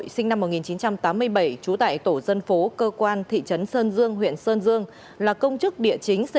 xin chào các bạn